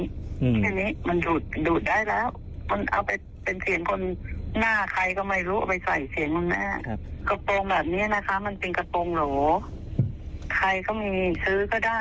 แค่นี้มันดูดได้แล้วมันเอาไปเป็นเสียงคนหน้าใครก็ไม่รู้เอาไปใส่เสียงคุณแม่